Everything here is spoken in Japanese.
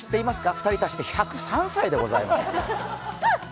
２人合わせて１０３歳でございます。